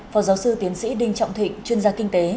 phó giáo sư tiến sĩ đinh trọng thịnh chuyên gia kinh tế